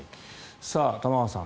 玉川さん